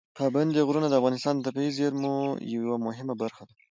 پابندي غرونه د افغانستان د طبیعي زیرمو یوه برخه ده.